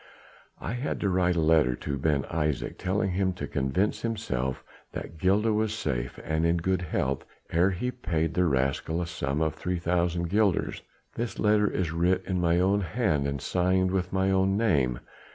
"I had to write a letter to Ben Isaje, telling him to convince himself that Gilda was safe and in good health, ere he paid the rascal a sum of 3,000 guilders. This letter is writ in mine own hand and signed with my name.